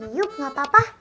yuk gak apa apa